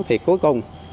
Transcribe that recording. thì cuối cùng